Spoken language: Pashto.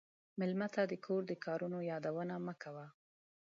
مېلمه ته د کور د کارونو یادونه مه کوه.